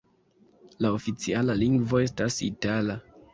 La oficiala lingvo estas itala.